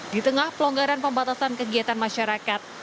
di tengah pelonggaran pembatasan kegiatan masyarakat